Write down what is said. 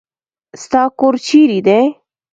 ستا کور چیرې دی؟